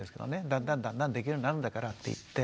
「だんだんだんだんできるようになるんだから」って言って。